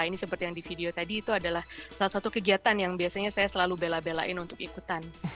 ini seperti yang di video tadi itu adalah salah satu kegiatan yang biasanya saya selalu bela belain untuk ikutan